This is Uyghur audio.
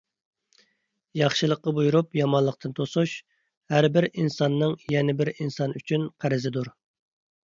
ياخشىلىققا بۇيرۇپ يامانلىقتىن توسۇش — ھەربىر ئىنساننىڭ يەنە بىر ئىنسان ئۈچۈن قەرزىدۇر.